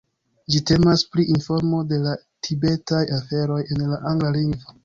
Ĝi temas pri informo de la tibetaj aferoj en la angla lingvo.